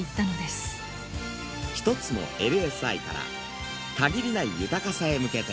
「ひとつのＬＳＩから限りない豊かさへ向けて」。